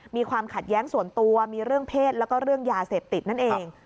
มีความขัดแย้งส่วนตัวมีเรื่องเพศแล้วก็เรื่องยาเสพติดนั่นเอง